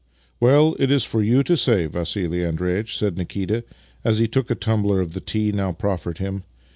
" Well, it is for you to say, Vassili Andreitch," said Nikita as he took the tumbler of tea now proffered him.